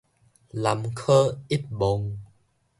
南柯一夢